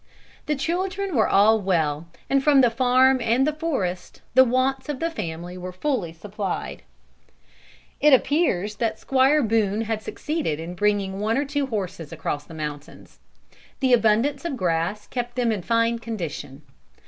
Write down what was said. The children were all well, and from the farm and the forest the wants of the family were fully supplied. It appears that Squire Boone had succeeded in bringing one or two horses across the mountains. The abundance of grass kept them in fine condition.